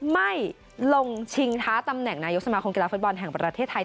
ไม่ลงชิงท้าตำแหน่งนายกสมาคมกีฬาฟุตบอลแห่งประเทศไทย